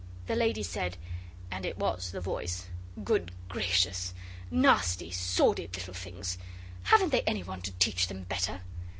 The lady said (and it was the voice), 'Good gracious! Nasty, sordid little things! Haven't they any one to teach them better?